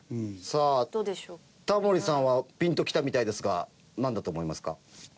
さあタモリさんはピンときたみたいですがなんだと思いますか？